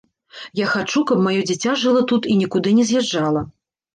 Я хачу, каб маё дзіця жыла тут і нікуды не з'язджала.